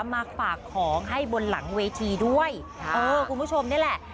มาฝากของให้บนหลังเวทีด้วยเออคุณผู้ชมนี่แหละ